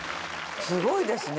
すごいですね。